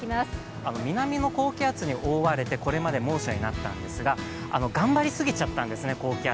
南の高気圧に覆われて、これまで猛暑になったんですが、頑張り過ぎちゃったんですね、高気圧。